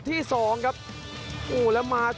เหมือนกันเหมือนกันเหมือนกัน